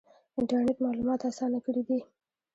انټرنیټ معلومات اسانه کړي دي